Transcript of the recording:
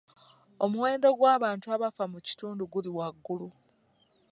Omuwendo gw'abantu abafa mu kitundu guli waggulu.